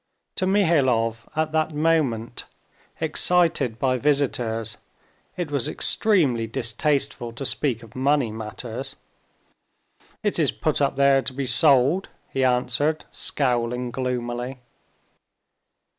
To Mihailov at that moment, excited by visitors, it was extremely distasteful to speak of money matters. "It is put up there to be sold," he answered, scowling gloomily.